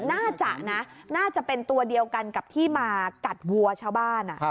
น่าจะนะน่าจะเป็นตัวเดียวกันกับที่มากัดวัวชาวบ้าน